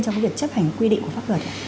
trong việc chấp hành quy định của pháp luật